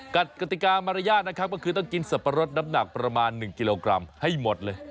กติกามารยาทนะครับก็คือต้องกินสับปะรดน้ำหนักประมาณ๑กิโลกรัมให้หมดเลย